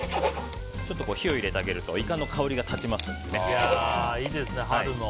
ちょっと火を入れてあげるとイカの香りが立ちますのでね。